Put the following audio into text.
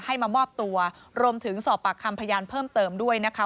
ให้มามอบตัวรวมถึงสอบปากคำพยานเพิ่มเติมด้วยนะคะ